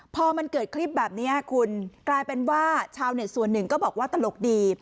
พอมันเกิดคลิปแบบนี้คุณกลายเป็นว่าชาวเน็ตส่วนหนึ่งก็บอกว่าตลกดี